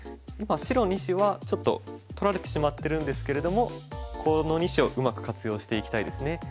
今白２子はちょっと取られてしまってるんですけれどもこの２子をうまく活用していきたいですね。